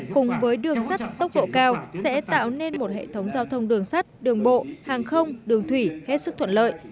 cùng với đường sắt tốc độ cao sẽ tạo nên một hệ thống giao thông đường sắt đường bộ hàng không đường thủy hết sức thuận lợi